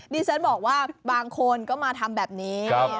ดิฉันบอกว่าบางคนก็มาทำแบบนี้